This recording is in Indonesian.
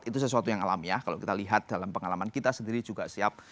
itu sesuatu yang alamiah kalau kita lihat dalam pengalaman kita sendiri juga siap